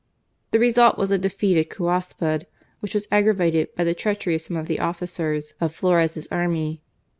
The result was a defeat at Cuaspud, which was aggra vated by the treachery of some of the officers of Flores' army.